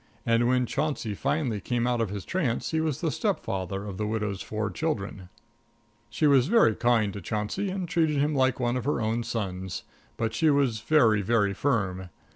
And when Chauncey finally came out of his trance he was the stepfather of the widow's four children. She was very kind to Chauncey, and treated him like one of her own sons; but she was very, very firm.